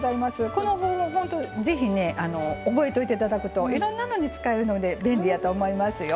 この方法ほんとぜひね覚えといて頂くといろんなのに使えるので便利やと思いますよ。